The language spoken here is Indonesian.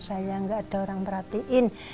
saya enggak ada orang perhatiin